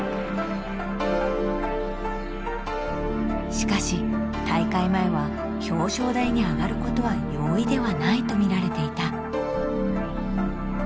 しかし大会前は表彰台に上がることは容易ではないと見られていた。